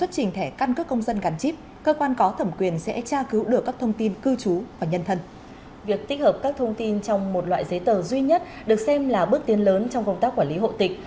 việc tích hợp các thông tin trong một loại giấy tờ duy nhất được xem là bước tiến lớn trong công tác quản lý hộ tịch